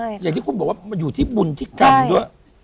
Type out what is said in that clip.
อย่างที่คุณบอกว่ามันอยู่ที่บุญที่กรรมด้วย